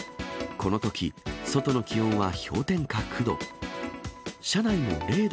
このとき、外の気温は氷点下９度。